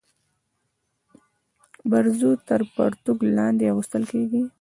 برزو تر پرتوګ لاندي اغوستل کيږي.